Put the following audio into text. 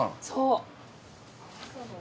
そう。